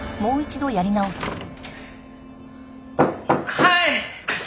はい。